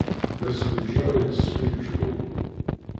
D asfuǧǧeɣ i tesfuǧǧuɣ.